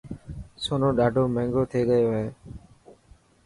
سونو ڏاڌو ماهنگو ٿي گيو هي.